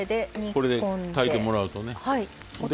これで炊いてもらうとね。